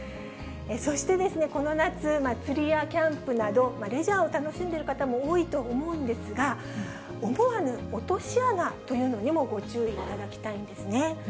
そしてこの夏、釣りやキャンプなど、レジャーを楽しんでる方も多いと思うんですが、思わぬ落とし穴というのにもご注意いただきたいんですね。